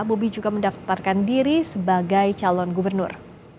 bobi juga mendaftarkan diri sebagai calon gubernur